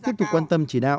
tiếp tục quan tâm chỉ đạo